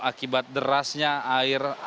akibat derasnya air